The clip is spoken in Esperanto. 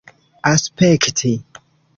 aspekti